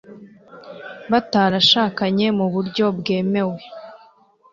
batarashakanye mu buryo bwemewe